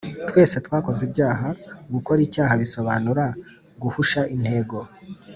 Twese twakoze ibyaha. Gukora icyaha bisobanura guhusha intego.